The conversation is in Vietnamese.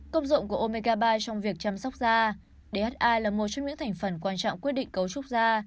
công dụng của ômega ba trong việc chăm sóc da dha là một trong những thành phần quan trọng quyết định cấu trúc da